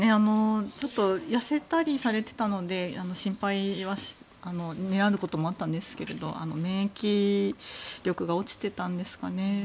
ちょっと痩せたりされてたので心配であることもあったんですが免疫力が落ちてたんですかね。